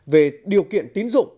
về điều kiện tín dụng